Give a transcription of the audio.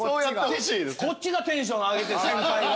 こっちがテンション上げて先輩が。